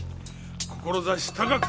志高く